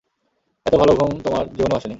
এতো ভাল ঘুম তোমার জীবনেও আসেনি।